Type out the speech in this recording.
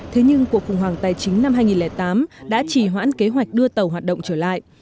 thế nhưng cuộc khủng hoảng tài chính năm hai nghìn tám đã chỉ hoãn kế hoạch đưa tàu hoạt động trở lại